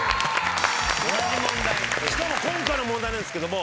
しかも今回の問題なんですけども。